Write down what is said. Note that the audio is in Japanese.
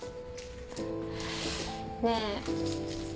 ねえ。